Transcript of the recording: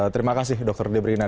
terima kasih dokter debrina